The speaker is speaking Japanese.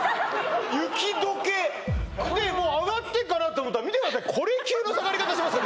雪解けでもう上がったかなと思ったら見てくださいこれ級の下がり方しますよ